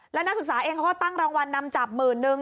แล้วนักศึกษาเองเขาก็ตั้งรางวัลนำจับหมื่นนึง